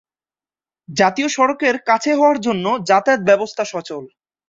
জাতীয় সড়কের কাছে হওয়ার জন্য যাতায়াত ব্যবস্থা সচল।